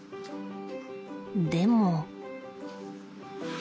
でも。